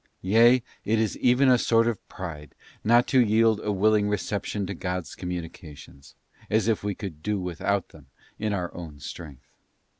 Yea, it is even a sort of pride not to yield a willing reception to God's communications, as if we could do without them in our own strength.